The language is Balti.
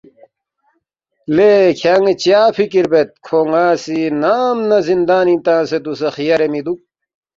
”لے کھیان٘ی چا فِکر بید؟ کھو ن٘ا سی نام نہ زِندانِنگ تنگسے دوسے خیارے مِہ دُوک